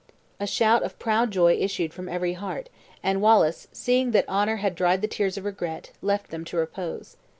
A shout of proud joy issued from every heart; and Wallace, seeing that honor had dried the tears of regret, left them to repose.